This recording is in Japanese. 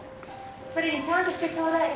それにシャンとしてちょうだい。